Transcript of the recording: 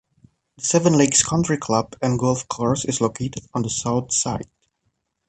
The Seven Lakes Country Club and Golf Course is located on the South side.